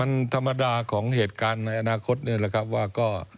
มันธรรมดาของเหตุการณ์ในอนาคตนี่แหละครับว่าก็